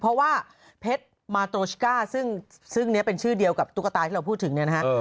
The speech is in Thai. เพราะว่าเพชรมาโตชก้าซึ่งนี้เป็นชื่อเดียวกับตุ๊กตาที่เราพูดถึงเนี่ยนะฮะ